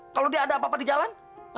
kalau dia ada apa apa di jalan